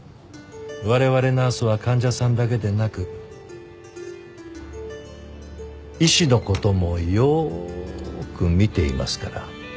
我々ナースは患者さんだけでなく医師の事もよーく見ていますから。